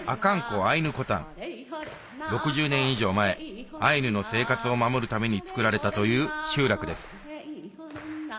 ６０年以上前アイヌの生活を守るためにつくられたという集落です